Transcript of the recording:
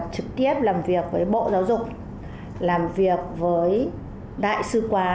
trực tiếp làm việc với bộ giáo dục làm việc với đại sứ quán